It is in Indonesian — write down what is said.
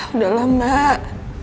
udah lah mbak